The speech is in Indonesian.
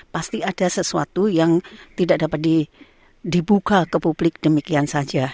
pasti ada sesuatu yang tidak dapat dibuka ke publik demikian saja